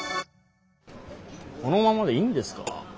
このままでいいんですか？